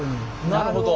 なるほど。